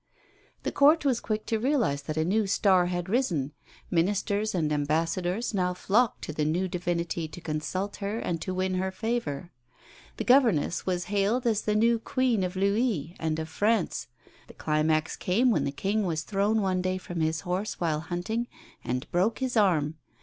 The Court was quick to realise that a new star had risen; ministers and ambassadors now flocked to the new divinity to consult her and to win her favour. The governess was hailed as the new Queen of Louis and of France. The climax came when the King was thrown one day from his horse while hunting, and broke his arm.